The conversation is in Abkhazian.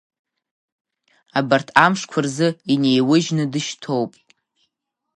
Абарҭ амшқәа рзы инеиужьны дышьҭоуп.